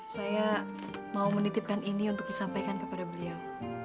saya mau menitipkan ini untuk disampaikan kepada beliau